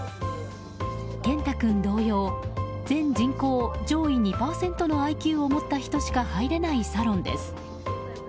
けんた君同様、全人口上位２％のＩＱを持った人しか入れないサロンです。